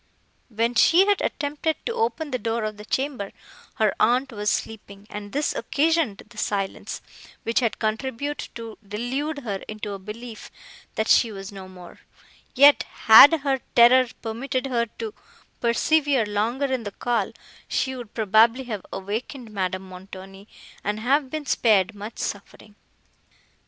When she had attempted to open the door of the chamber, her aunt was sleeping, and this occasioned the silence, which had contributed to delude her into a belief, that she was no more; yet had her terror permitted her to persevere longer in the call, she would probably have awakened Madame Montoni, and have been spared much suffering.